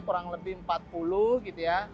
kurang lebih empat puluh gitu ya